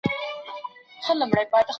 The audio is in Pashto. کله دیپلوماتیکي اړیکي په بشپړه توګه پري کیږي؟